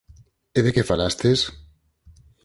E de que falastes?